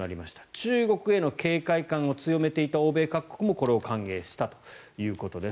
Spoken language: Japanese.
中国への警戒感を強めていた欧米各国もこれを歓迎したということです。